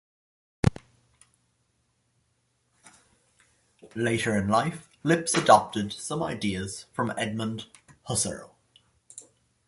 Late in life, Lipps adopted some ideas from Edmund Husserl.